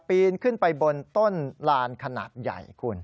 ปีนขึ้นไปบนต้นลานขนาดใหญ่คุณ